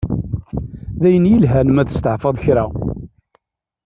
D ayen yelhan ma testeɛfaḍ kra.